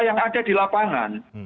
yang ada di lapangan